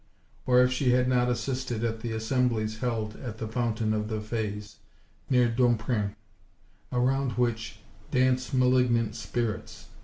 or if she had not assisted at the assemblies held at the fountain of the fays, near Domprein, around which dance malignant spirits?"